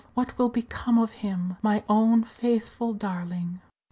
what will become of him! my own faithful darling!"